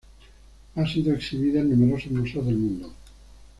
Ha sido exhibida en numerosos museos del mundo.